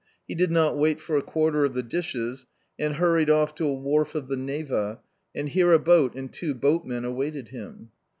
He did not wait for a quarter of the dishes and hurried off to a wharf of the Neva, and here a boat and two boatmen awaited him.